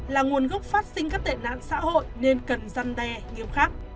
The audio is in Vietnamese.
là nguồn gốc phát sinh các tệ nạn xã hội nên cần răn đe nghiêm khắc